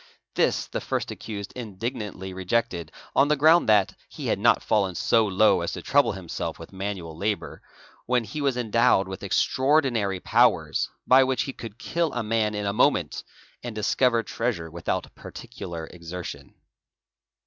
This the first accused indignantly rejected, on the ground that i ie had not fallen so low as to trouble himself with manual labour, when /he was endowed with extraordinary powers, by which he could kill a "man in a moment and discover treasure without particular exertion.